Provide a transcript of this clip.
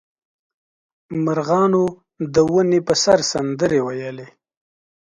مرغانو د ونې په سر سندرې ویلې.